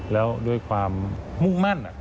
แล้วด้วยความมุ่งมั่น